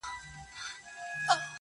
چي چرگ نه وو، اذان چا کاوه؟